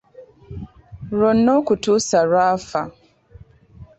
lwonna okutuusa lw’afa.